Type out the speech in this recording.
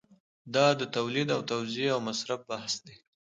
دا د تولید او توزیع او مصرف بحث دی.